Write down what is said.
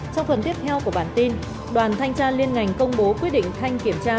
trong phần tiếp theo của bản tin đoàn thanh tra liên ngành công bố quyết định thanh kiểm tra